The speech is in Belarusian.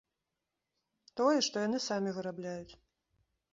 Тое, што яны самі вырабляюць.